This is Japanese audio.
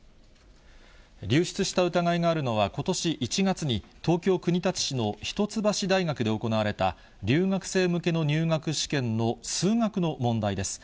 流出した疑いがあるのは、ことし１月に、東京・国立市の一橋大学で行われた留学生向けの入学試験の数学の問題です。